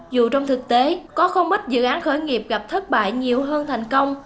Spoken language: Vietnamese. dù trong thực tế có không ít dự án khởi nghiệp gặp thất bại nhiều hơn thành công